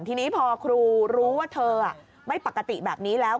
ทีนี้พอครูรู้ว่าเธอไม่ปกติแบบนี้แล้ว